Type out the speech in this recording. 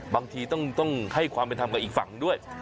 บางทีต้องให้ความเป็นธรรมกับอีกฝั่งด้วย